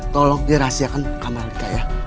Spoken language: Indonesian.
tolong dirahsiakan kamar alika ya